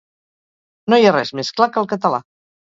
No hi ha res més clar que el català.